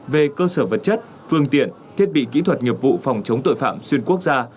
về cơ sở vật chất phương tiện thiết bị kỹ thuật nghiệp vụ phòng chống tội phạm xuyên quốc gia